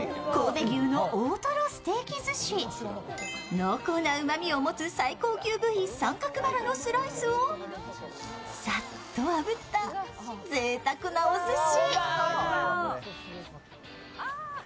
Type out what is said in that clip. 濃厚なうまみを持つ最高級部位、三角バラのスライスをさっとあぶったぜいたくなおすし。